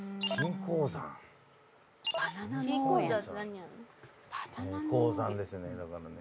鉱山ですよねだからね